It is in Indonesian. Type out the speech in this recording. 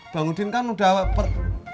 bang udin kan udah